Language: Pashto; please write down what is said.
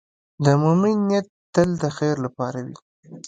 د مؤمن نیت تل د خیر لپاره وي.